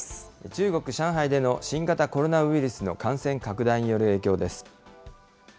中国・上海での新型コロナウイルスの感染拡大による影響です。